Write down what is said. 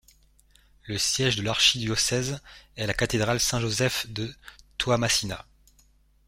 Le siège de l'archidiocèse est à la cathédrale Saint Joseph de Toamasina.